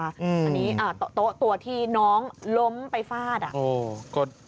อันนี้ตัวที่น้องล้มไปฟาด